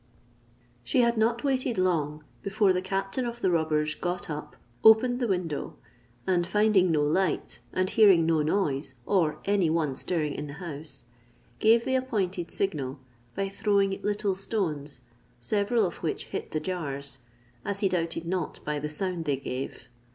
She had not waited long before the captain of the robbers got up, opened the window, and finding no light, and hearing no noise, or any one stirring in the house, gave the appointed signal, by throwing little stones, several of which hit the jars, as he doubted not by the sound they gave.